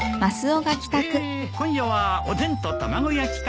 へえ今夜はおでんと卵焼きか。